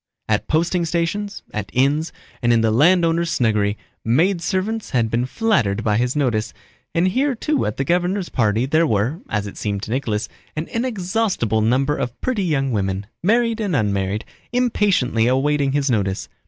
At posting stations, at inns, and in the landowner's snuggery, maidservants had been flattered by his notice, and here too at the governor's party there were (as it seemed to Nicholas) an inexhaustible number of pretty young women, married and unmarried, impatiently awaiting his notice.